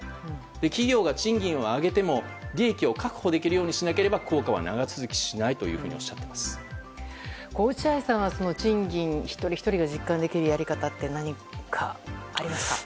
企業が賃金を上げても利益を確保できるようにしなければ効果は長続きしないと落合さんは賃金一人ひとりが実感できるやり方って何かありますか？